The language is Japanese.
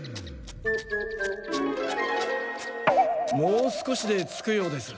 もう少しで着くようです。